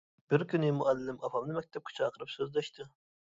بىر كۈنى مۇئەللىم ئاپامنى مەكتەپكە چاقىرىپ سۆزلەشتى.